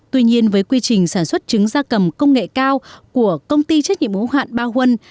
tuy nhiên với quy trình sản xuất trứng gia cầm công nghệ cao của công ty trách nhiệm ủng hạn ba huân